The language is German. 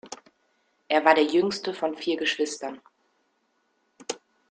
Er war der Jüngste von vier Geschwistern.